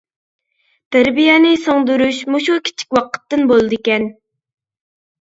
تەربىيەنى سىڭدۈرۈش مۇشۇ كىچىك ۋاقىتتىن بولىدىكەن.